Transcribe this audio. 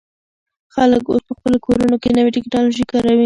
خلک اوس په خپلو کورونو کې نوې ټیکنالوژي کاروي.